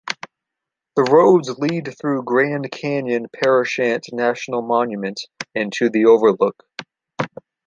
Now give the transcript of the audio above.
The roads lead through Grand Canyon-Parashant National Monument and to the overlook.